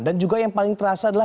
dan juga yang paling terasa adalah